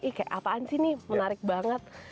ih kayak apaan sih nih menarik banget